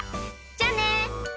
じゃあね！